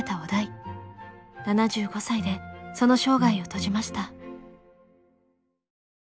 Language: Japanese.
７５歳でその生涯を閉じました。